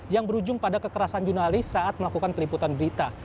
yang berujung pada kekerasan jurnalis saat melakukan peliputan berita